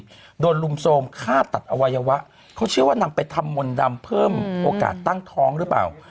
โดนลุมโทรมฆ่าตัดอวัยวะเขาเชื่อว่านำไปทำมนต์ดำเพิ่มโอกาสตั้งท้องหรือเปล่า